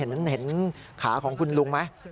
เมื่อกี้เห็นขาของคุณลุงไหม